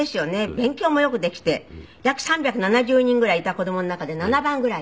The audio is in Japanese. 勉強もよくできて約３７０人ぐらいいた子供の中で７番ぐらい。